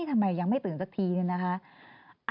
ทำไมยังไม่ตื่นสักทีเนี่ยนะคะ